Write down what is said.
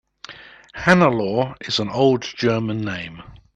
Hannelore is an old German name.